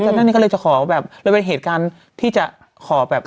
ฉะนั้นนี่ก็เลยจะขอแบบเลยเป็นเหตุการณ์ที่จะขอแบบ